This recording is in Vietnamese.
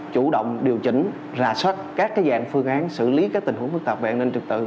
chủ động điều chỉnh rà soát các dạng phương án xử lý các tình huống phức tạp về an ninh trực tự